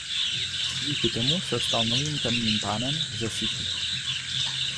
Díky tomu se stal novým Temným Pánem ze Sithu.